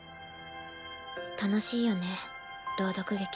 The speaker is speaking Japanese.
楽しいよね朗読劇。